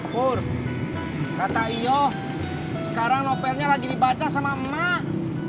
pur kata iyo sekarang novelnya lagi dibaca sama mak